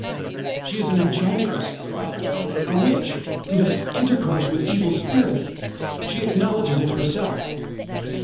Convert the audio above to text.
"She is an enchantress!" cried Bertalda, "a witch, who has intercourse with evil spirits. She acknowledges it herself."